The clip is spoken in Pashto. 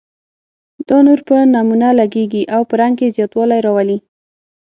دا نور په نمونه لګیږي او په رنګ کې زیاتوالی راولي.